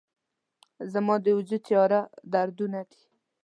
زما د وجود تیاره دردونه دي